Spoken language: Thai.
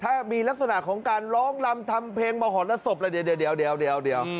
ถ้ามีลักษณะของการร้องรำทำเพลงเบาหอดและศพอะไรเดี๋ยว